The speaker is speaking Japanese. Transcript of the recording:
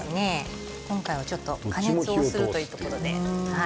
今回は加熱をするということで。